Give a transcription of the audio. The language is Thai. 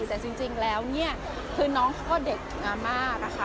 แต่จริงแล้วนี่คือน้องเขาก็เด็กงามมาก